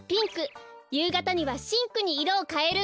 ゆうがたにはしんくにいろをかえるんです。